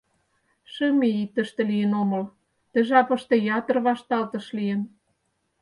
Шым ий тыште лийын омыл, ты жапыште ятыр вашталтыш лийын.